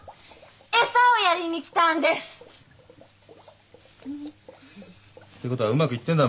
餌をやりに来たんです！ってことはうまくいってんだ